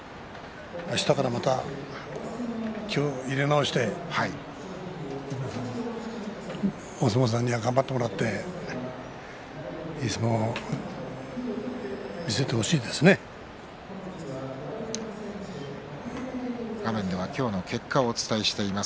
明日からまた気を入れ直してお相撲さんには頑張ってもらって画面では今日の結果をお伝えしています。